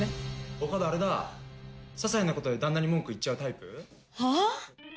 大加戸あれだささいなことで旦那に文句言っちゃうタイプ？はあ？